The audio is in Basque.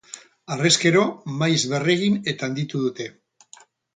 Harrezkero maiz berregin eta handitu dute.